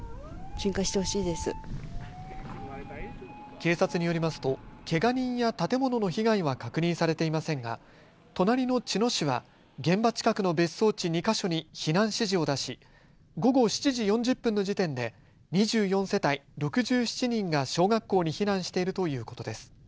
警察によりますと、けが人や建物の被害は確認されていませんが隣の茅野市は現場近くの別荘地２か所に避難指示を出し午後７時４０分の時点で２４世帯６７人が小学校に避難しているということです。